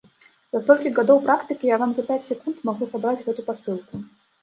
За столькі гадоў практыкі я вам за пяць секунд магу сабраць гэту пасылку.